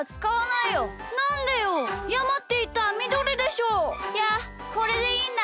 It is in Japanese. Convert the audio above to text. いやこれでいいんだ。